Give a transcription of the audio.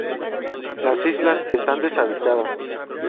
Las islas están deshabitadas.